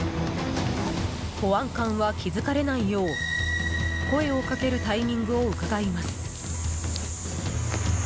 保安官は気づかれないよう声をかけるタイミングをうかがいます。